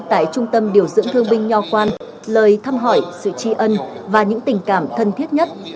tại trung tâm điều dưỡng thương binh nho quan lời thăm hỏi sự tri ân và những tình cảm thân thiết nhất